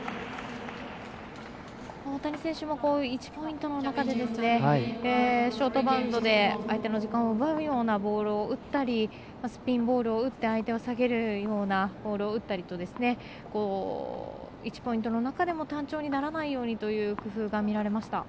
大谷選手も１ポイントの中でショートバウンドで相手の時間を奪うようなボールを打ったりスピンボールを打って相手を下げるようなボールを打ったり１ポイントの中でも単調にならないようにという工夫が見られました。